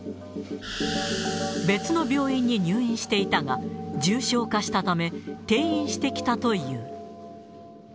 別の病院に入院していたが、重症化したため、転院してきたという。